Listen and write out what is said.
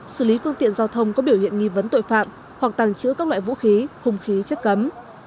xử lý phương tiện giao thông có biểu hiện nghi vấn tội phạm hoặc tàng trữ các loại vũ khí hùng khí chất cấm